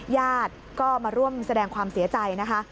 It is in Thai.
ญาติก็มาร่วมแสดงความเสียใจนะคะ